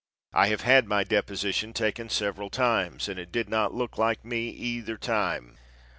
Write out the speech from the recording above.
I have had my deposition taken several times and it did not look like me either time.